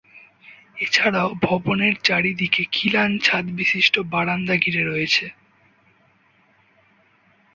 এছাড়াও ভবনের চারদিকে খিলান ছাদ বিশিষ্ট বারান্দা ঘিরে রয়েছে।